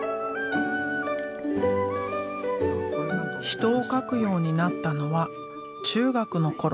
人を描くようになったのは中学の頃。